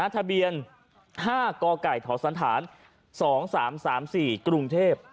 ทะเบียน๕กไก่ทศ๒๓๓๔กรุงเทพ